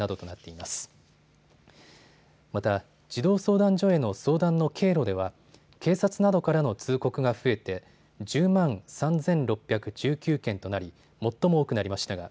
また児童相談所への相談の経路では警察などからの通告が増えて１０万３６１９件となり最も多くなりました。